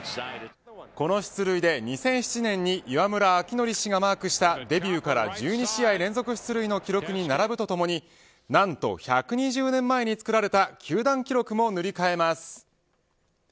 この出塁で２００７年に岩村明憲氏がマークした、デビューから１２試合連続出塁の記録に並ぶとともに何と１２０年前につくられた球団記録も塗り替えます。